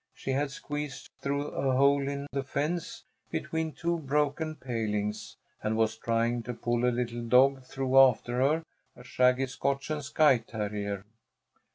She had squeezed through a hole in the fence between two broken palings, and was trying to pull a little dog through after her; a shaggy Scotch and Skye terrier.